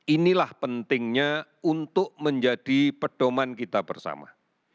inilah pentingnya untuk menjadi pedoman kita bersama